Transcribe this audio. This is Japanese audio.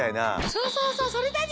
そうそうそうそれだにゃ！